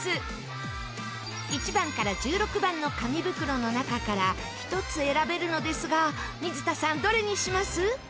１番から１６番の紙袋の中から１つ選べるのですが水田さんどれにします？